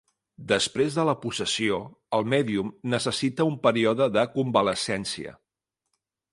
Després de la possessió, el mèdium necessita un període de convalescència.